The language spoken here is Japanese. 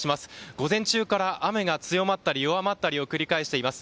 午前中から雨が強まったり弱まったりを繰り返しています。